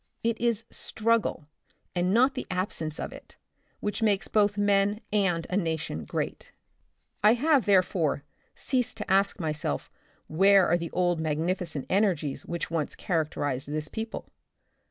It is struggle, and not the absence of it, which makes both men and a nation great. I have, therefore, ceased to ask myself where are the old magnificent energies which once characterized this people.